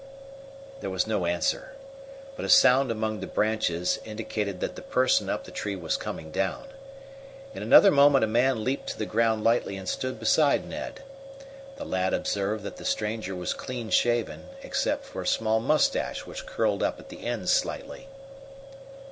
There was no answer, but a sound among the branches indicated that the person up the tree was coming down. In another moment a man leaped to the ground lightly and stood beside Ned. The lad observed that the stranger was clean shaven, except for a small moustache which curled up at the ends slightly.